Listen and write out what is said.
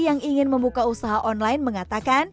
yang ingin membuka usaha online mengatakan